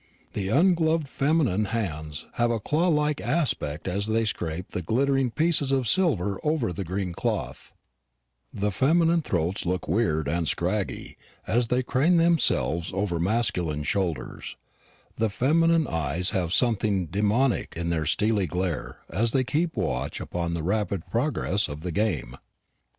The ungloved feminine hands have a claw like aspect as they scrape the glittering pieces of silver over the green cloth; the feminine throats look weird and scraggy as they crane themselves over masculine shoulders; the feminine eyes have something demoniac in their steely glare as they keep watch upon the rapid progress of the game.